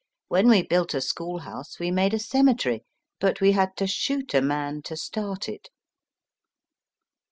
" When we built a schoolhouse we made a cemetery, but we had to shoot a man to start it."